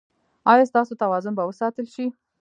ایا ستاسو توازن به وساتل شي؟